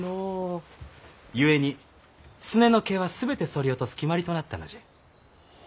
ゆえにすねの毛は全てそり落とす決まりとなったのじゃ。